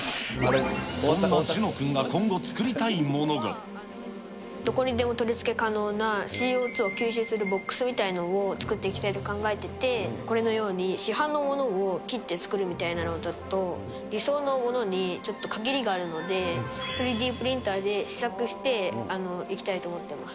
そんな諄之君が今後作りたいどこにでも取り付け可能な、ＣＯ２を吸収するボックスみたいなものを作っていきたいと考えていて、これのように市販のものを切って作るみたいなものだと、理想のものにちょっと限りがあるので、３Ｄプリンターで試作していきたいと思ってます。